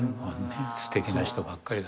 すてきな人ばっかり。